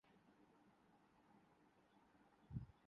tour of Spain cycle race Tom Dumoulin نے جیت لی